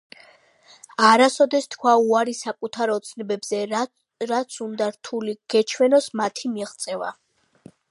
არასოდეს თქვა უარი საკუთარ ოცნებებზე, რაც უნდა რთული გეჩვენოს მათი მიღწევა.